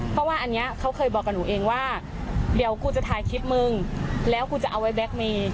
เพราะว่าอันนี้เขาเคยบอกกับหนูเองว่าเดี๋ยวกูจะถ่ายคลิปมึงแล้วกูจะเอาไว้แล็กเมย์